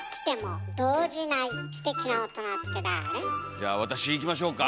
じゃあ私いきましょうか？